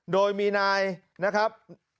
โดยมีนายนะครับ